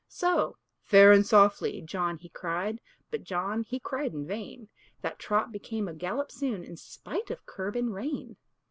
So, "Fair and softly," John he cried, But John he cried in vain; That trot became a gallop soon, In spite of curb and rein.